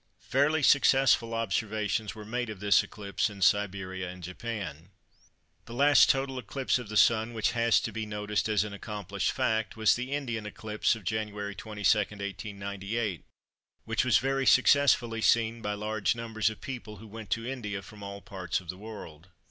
Fairly successful observations were made of this eclipse in Siberia and Japan. The last total eclipse of the Sun which has to be noticed as an accomplished fact was the "Indian Eclipse" of Jan. 22, 1898, which was very successfully seen by large numbers of people who went to India from all parts of the world.